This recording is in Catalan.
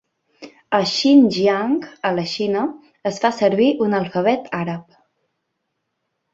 A Xinjiang, a la Xina, es fa servir un alfabet àrab.